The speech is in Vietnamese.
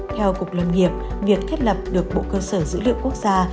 theo cục lâm nghiệp việc thiết lập được bộ cơ sở dữ liệu quốc gia